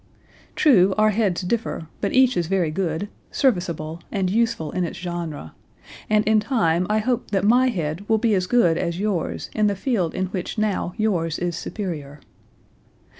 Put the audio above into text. True our heads differ, but each is very good, serviceable, and useful in its genre, and in time I hope that my head will be as good as yours in the field in which now yours is superior."